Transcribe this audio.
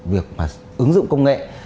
việc ứng dụng công nghệ